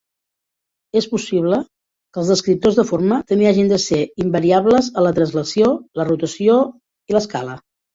És possible que els descriptors de forma també hagin de ser invariables a la translació, la rotació i l'escala.